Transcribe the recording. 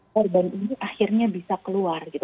korban ini akhirnya bisa keluar gitu